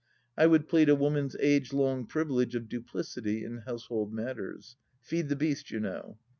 I would plead a woman's age long privilege of duplicity in household matters. Feed the beast, you Imow